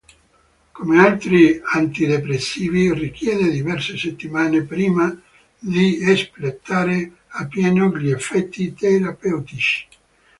Come altri antidepressivi richiede diverse settimane prima di espletare a pieno gli effetti terapeutici.